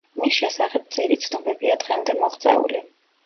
მის შესახებ მწირი ცნობებია დღემდე მოღწეული.